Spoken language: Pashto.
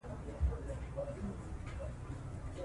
که کار وي نو ماله نه وي.